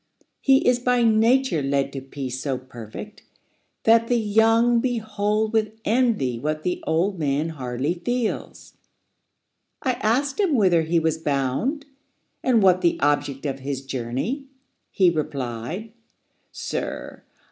He is by nature led To peace so perfect, that the young behold With envy, what the old man hardly feels. —I asked him whither he was bound, and what The object of his journey; he replied "Sir!